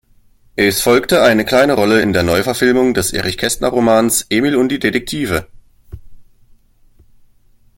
Es folgte eine kleine Rolle in der Neuverfilmung des Erich-Kästner-Romans "Emil und die Detektive".